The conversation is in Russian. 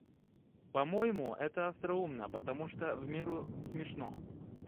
По-моему, это остроумно, потому что в меру смешно.